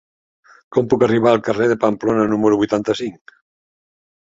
Com puc arribar al carrer de Pamplona número vuitanta-cinc?